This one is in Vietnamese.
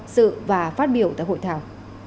dự và phát biểu tại hội thảo